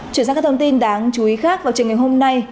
chuyển sang các thông tin đáng chú ý khác vào trường ngày hôm nay